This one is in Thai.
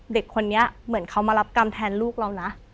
เด็กคนนี้เหมือนเขามารับกรรมแทนลูกเรานะ